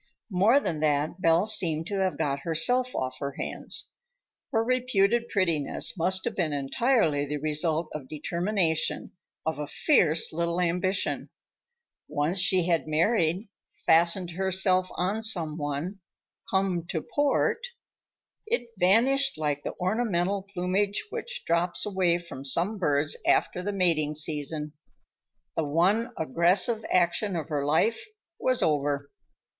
More than that, Belle seemed to have got herself off her hands. Her reputed prettiness must have been entirely the result of determination, of a fierce little ambition. Once she had married, fastened herself on some one, come to port,—it vanished like the ornamental plumage which drops away from some birds after the mating season. The one aggressive action of her life was over.